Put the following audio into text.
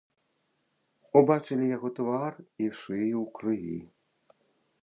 Убачылі яго твар і шыю ў крыві.